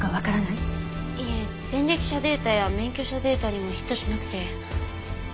いえ前歴者データや免許証データにもヒットしなくて。